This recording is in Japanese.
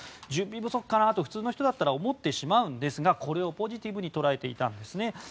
準備不足かなと普通の人だったら思ってしまうんですがこれをポジティブに捉えていたんですね。